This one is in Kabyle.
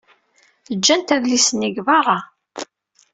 Ǧǧant adlis-nni deg beṛṛa.